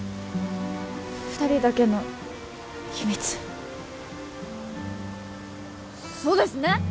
二人だけの秘密そうですね！